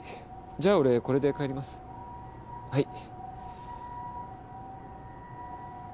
じゃあ俺これで帰りますはい。